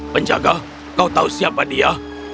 penjaga kau tahu siapa dia